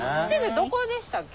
どこでしたっけ？